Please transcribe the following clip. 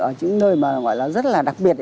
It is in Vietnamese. ở những nơi mà rất là đặc biệt